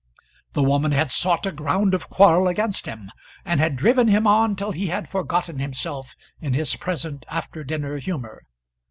The woman had sought a ground of quarrel against him, and had driven him on till he had forgotten himself in his present after dinner humour.